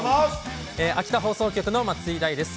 秋田放送局の松井大です。